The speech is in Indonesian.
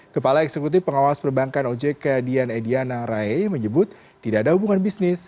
kepala eksekutif pengawas perbankan ojk dian ediana rai menyebut tidak ada hubungan bisnis